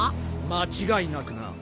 間違いなくな。